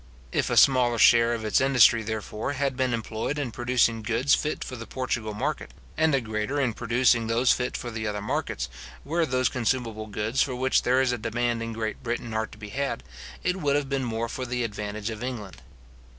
If a smaller share of its industry, therefore, had been employed in producing goods fit for the Portugal market, and a greater in producing those lit for the other markets, where those consumable goods for which there is a demand in Great Britain are to be had, it would have been more for the advantage of England.